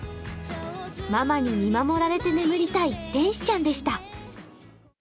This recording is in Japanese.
ママに見守られて眠りたい天使ちゃんでした。